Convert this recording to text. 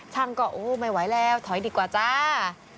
ช่างก็โอ้ไม่ไหวแล้วถอยดีกว่าจ้า